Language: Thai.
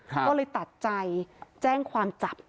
ก็เลยตัดใจแจ้งความจับ